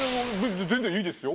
全然いいですよ。